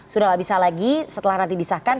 sudah tidak bisa lagi setelah nanti disahkan